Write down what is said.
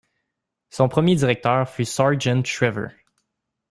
Son premier directeur fut Sargent Shriver.